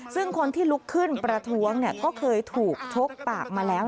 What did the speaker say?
ซึ่งคนที่ลุกขึ้นประท้วงก็เคยถูกชกปากมาแล้ว